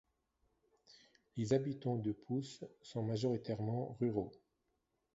Les habitants du Pouce sont majoritairement ruraux.